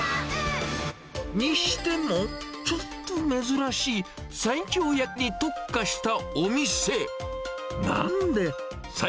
にしても、ちょっと珍しい西京焼きに特化したお店。